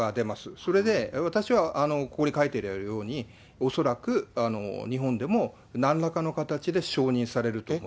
それで私はここに書いてあるように、恐らく日本でもなんらかの形で承認されるだろうと。